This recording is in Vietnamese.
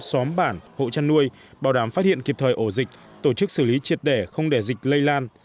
xóm bản hộ chăn nuôi bảo đảm phát hiện kịp thời ổ dịch tổ chức xử lý triệt đẻ không để dịch lây lan